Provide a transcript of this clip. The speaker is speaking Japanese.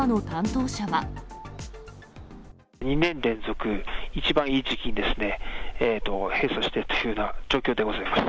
２年連続一番いい時期に閉鎖してというような状況でございます。